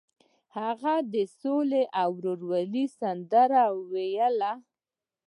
هغه د سولې او ورورولۍ سندره ویله.